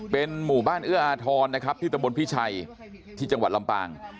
เป็นหมู่บ้านเอื้ออาทรนะครับที่ตะบนพิชัยที่จังหวัดลำปาง